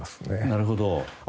なるほど。